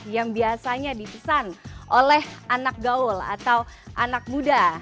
yang biasanya dipesan oleh anak gaul atau anak muda